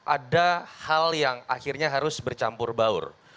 ada hal yang akhirnya harus bercampur baur